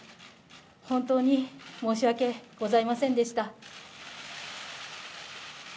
本当に申し訳ございませんでした。